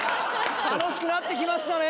楽しくなって来ましたね！